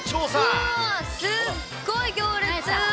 うーわ、すっごい行列。